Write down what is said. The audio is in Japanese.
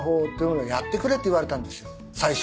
最初。